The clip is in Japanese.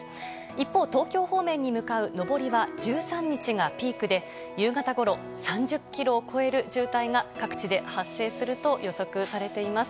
一方、東京方面に向かう上りは１３日がピークで夕方ごろ３０ｋｍを超える渋滞が各地で発生すると予測されています。